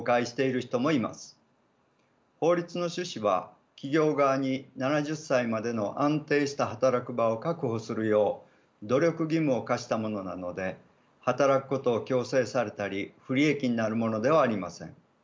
法律の趣旨は企業側に７０歳までの安定した働く場を確保するよう努力義務を課したものなので働くことを強制されたり不利益になるものではありません。